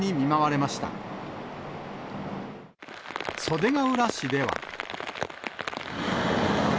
え袖ケ浦市では。